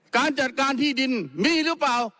การจัดการที่ดินมีหรือเปล่า